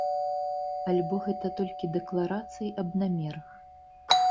Альбо гэта толькі дэкларацыі аб намерах?